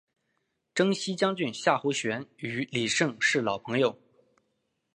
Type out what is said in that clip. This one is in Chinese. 征西将军夏侯玄与李胜是老朋友。